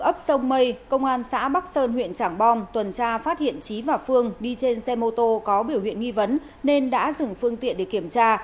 ấp sông mây công an xã bắc sơn huyện trảng bom tuần tra phát hiện trí và phương đi trên xe mô tô có biểu hiện nghi vấn nên đã dừng phương tiện để kiểm tra